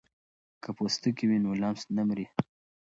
که پوستکی وي نو لمس نه مري.